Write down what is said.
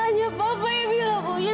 hanya papa yang mila punya